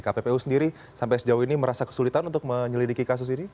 kppu sendiri sampai sejauh ini merasa kesulitan untuk menyelidiki kasus ini